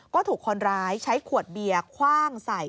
ก็ถูกคนร้ายใช้ขวดเบียร์คว่างใส่